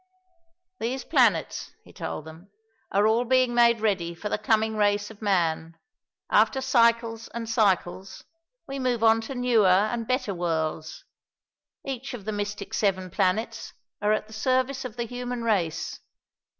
"These planets," he told them, "are all being made ready for the coming race of Man.... After Cycles and Cycles, we move on to newer and better worlds.... Each of the mystic Seven Planets are at the service of the human race.